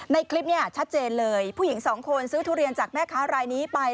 ในคลิปเนี่ยชัดเจนเลยผู้หญิงสองคนซื้อทุเรียนจากแม่ค้ารายนี้ไป